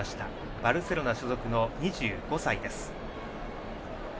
バルセロナ所属の２５歳です。